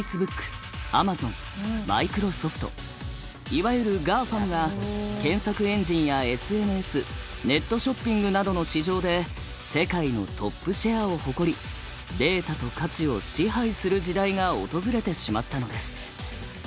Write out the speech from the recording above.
いわゆるＧＡＦＡＭが検索エンジンやＳＮＳネットショッピングなどの市場で世界のトップシェアを誇りデータと価値を支配する時代が訪れてしまったのです。